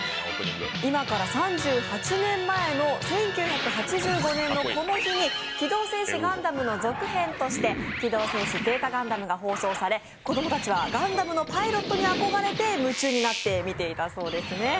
今から３８年前の１９８５年のこの日に「機動戦士ガンダム」の続編として、「機動戦士Ｚガンダム」が放送され、子供たちはガンダムのパイロットに憧れて、夢中になって見ていたそうですね。